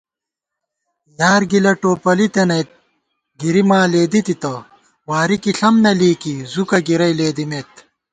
یار گِلہ ٹوپَلِی تنَئیت گِری ماں لېدِی تِتہ * واری کی ݪم نہ لېئیکی زُکہ گِرَئی لېدِمېت